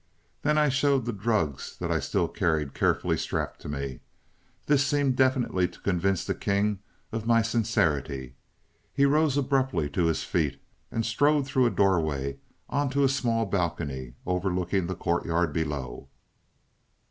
Then I showed the drugs that I still carried carefully strapped to me. This seemed definitely to convince the king of my sincerity. He rose abruptly to his feet, and strode through a doorway on to a small balcony overlooking the courtyard below.